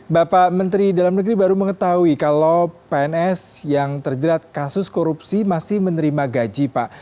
bapak menteri dalam negeri baru mengetahui kalau pns yang terjerat kasus korupsi masih menerima gaji pak